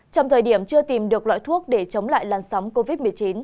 trong thời điểm chưa tìm được loại thuốc để chống lại làn sóng covid một mươi chín